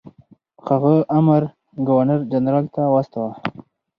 هغه امر ګورنر جنرال ته واستاوه.